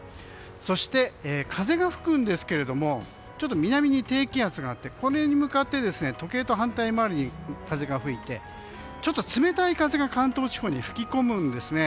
そして風が吹くんですが南に低気圧があってこれに向かって時計と反対回りに風が吹いてちょっと冷たい風が関東地方に吹き込むんですね。